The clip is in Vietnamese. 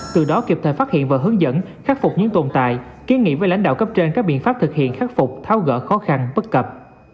từ đó kịp thời phát hiện và hướng dẫn khắc phục những tồn tại kiến nghị với lãnh đạo cấp trên các biện pháp thực hiện khắc phục tháo gỡ khó khăn bất cập